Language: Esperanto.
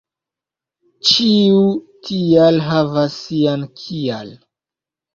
Ĉiu "tial" havas sian "kial."